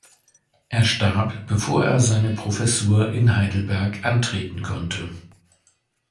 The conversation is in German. Er starb, bevor er seine Professur in Heidelberg antreten konnte.